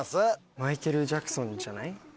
マイケル・ジャクソンじゃない？